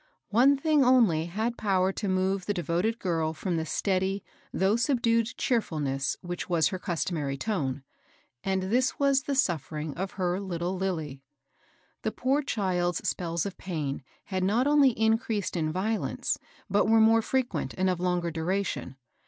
One thing only had power to move the devoted girl from the steady, though subdued, cheerfulness which was her customary tone, and this was the suffering of her little Lilly. The poor child's spells of pain had not only in creased in violence, but were more frequent and of longer duration.